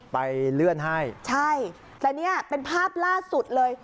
ไปเลื่อนให้ใช่แต่เนี่ยเป็นภาพล่าสุดเลย